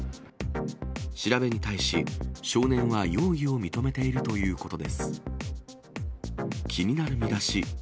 調べに対し、少年は容疑を認めているということです。